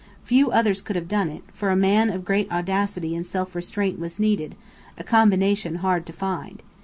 Few others could have done it, for a man of great audacity and self restraint was needed: a combination hard to find.